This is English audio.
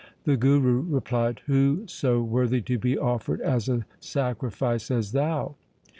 The Guru replied, ' Who so worthy to be offered as a sacrifice as thou